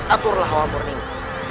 aturlah hawa murni ini